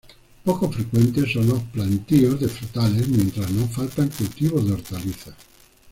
Poco frecuentes son los plantíos de frutales, mientras no faltan cultivos de hortalizas.